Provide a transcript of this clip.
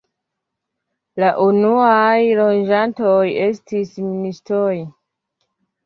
La unuaj loĝantoj estis ministoj.